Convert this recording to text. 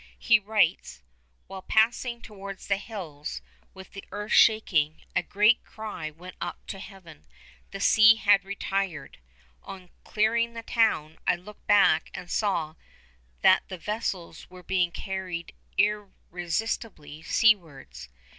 He writes:—'While passing towards the hills, with the earth shaking, a great cry went up to heaven. The sea had retired. On clearing the town, I looked back and saw that the vessels were being carried irresistibly seawards.